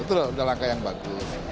itu sudah langkah yang bagus